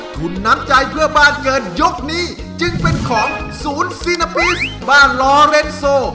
ทุนน้ำใจเพื่อบ้านเงินยกนี้จึงเป็นของศูนย์ฟีนาปิสบ้านลอเรนโซ